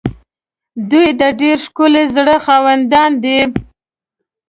دوی د ډېر ښکلي زړه خاوندان دي.